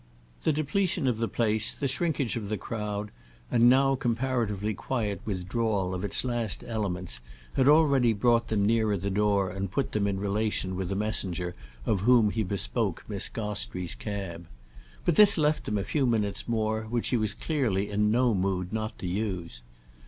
The depletion of the place, the shrinkage of the crowd and now comparatively quiet withdrawal of its last elements had already brought them nearer the door and put them in relation with a messenger of whom he bespoke Miss Gostrey's cab. But this left them a few minutes more, which she was clearly in no mood not to use.